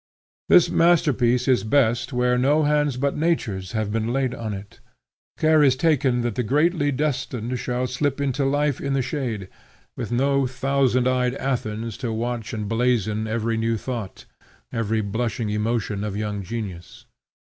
This masterpiece is best where no hands but nature's have been laid on it. Care is taken that the greatly destined shall slip up into life in the shade, with no thousand eyed Athens to watch and blazon every new thought, every blushing emotion of young genius.